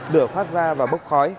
đửa phát ra và bốc khói